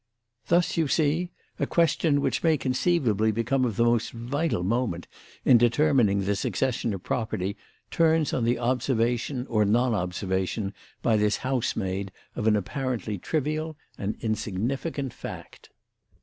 Thus, you see, a question which may conceivably become of the most vital moment in determining the succession of property turns on the observation or non observation by this housemaid of an apparently trivial and insignificant fact."